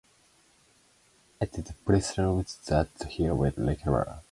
It is presumed that he will recover.